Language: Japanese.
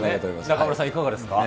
中丸さん、いかがですか。